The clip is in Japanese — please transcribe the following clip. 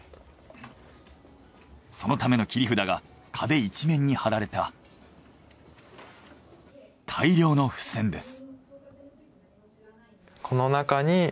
そのための切り札が壁いちめんに貼られた大量の付箋です。